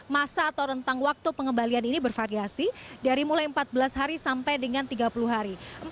masa atau rentang waktu pengembalian ini bervariasi dari mulai empat belas hari sampai dengan tiga puluh hari